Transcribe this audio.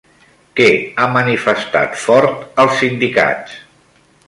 Què ha manifestat Ford als sindicats?